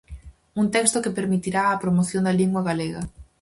Un texto que permitirá á promoción da lingua galega.